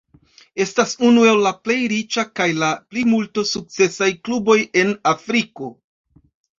Estas unu el la plej riĉa kaj la plimulto sukcesaj kluboj en Afriko.